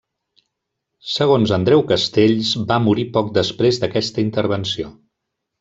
Segons Andreu Castells, va morir poc després d'aquesta intervenció.